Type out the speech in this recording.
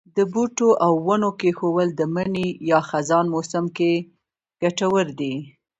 د بوټو او ونو کښېنول د مني یا خزان موسم کې کټور دي.